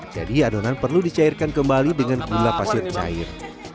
jadi adonan perlu dicairkan kembali dengan gula pasir cair